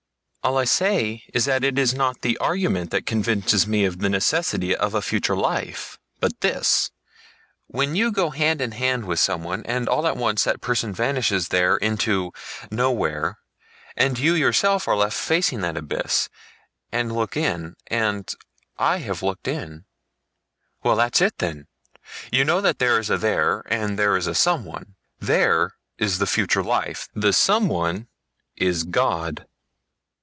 All I say is that it is not argument that convinces me of the necessity of a future life, but this: when you go hand in hand with someone and all at once that person vanishes there, into nowhere, and you yourself are left facing that abyss, and look in. And I have looked in...." "Well, that's it then! You know that there is a there and there is a Someone? There is the future life. The Someone is—God."